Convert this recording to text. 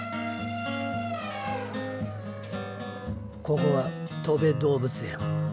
ここはとべ動物園。